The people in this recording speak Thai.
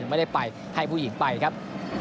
ไม่ได้ไปให้ผู้หญิงไปครับ